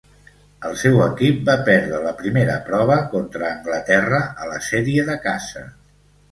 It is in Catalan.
El seu equip va perdre la primera prova contra Anglaterra a la sèrie de casa.